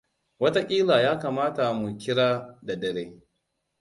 Watakila ya kamata mu kira da dare.